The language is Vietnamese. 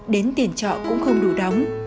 đến tiền trọ cũng không đủ đóng